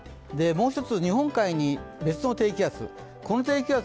もう１つ、日本海に別の低気圧。